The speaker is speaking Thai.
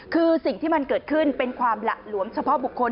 คือสิ่งที่มันเกิดขึ้นเป็นความหละหลวมเฉพาะบุคคล